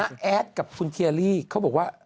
คุณแอดกับคุณเทียรี่เขาบอกว่า